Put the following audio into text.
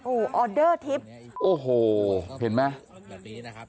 โอ้โหออเดอร์ทิพย์โอ้โหเห็นไหมแบบนี้นะครับ